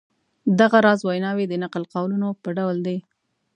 دغه راز ویناوی د نقل قولونو په ډول دي.